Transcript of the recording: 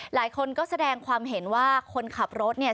หลายคนก็แสดงความเห็นว่าคนขับรถเนี่ย